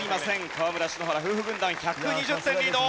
河村＆篠原夫婦軍団１２０点リード。